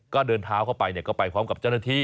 ก็เดินเท้าเข้าไปก็ไปพร้อมกับเจ้าหน้าที่